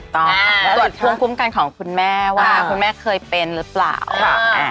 ตรวจภูมิคุ้มกันของคุณแม่ว่าคุณแม่เคยเป็นหรือเปล่า